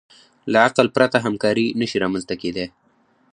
له عقل پرته همکاري نهشي رامنځ ته کېدی.